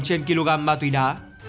trên kg ma túy đá